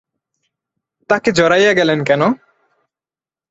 তাকে জড়াইয়া গেলেন কেন?